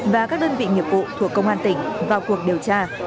và các đơn vị nghiệp vụ thuộc công an tỉnh vào cuộc điều tra